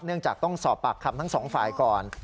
จากต้องสอบปากคำทั้งสองฝ่ายก่อน